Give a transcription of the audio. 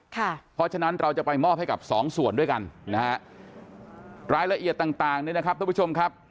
เพราะฉะนั้นเราจะไปมอบให้กับสองส่วนด้วยกันนะฮะรายละเอียดต่างต่างนี่นะครับทุกผู้ชมครับ